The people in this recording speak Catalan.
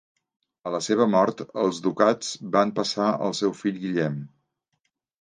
A la seva mort els ducats van passar al seu fill Guillem.